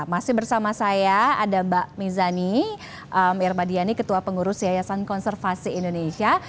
masih bersama saya ada mbak mizani irmadiani ketua pengurus yayasan konservasi indonesia